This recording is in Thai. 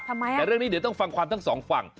แต่เรื่องนี้เดี๋ยวต้องฟังความทั้งสองฝั่ง